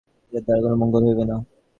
ইহার দ্বারা কোন মঙ্গল হইবে না।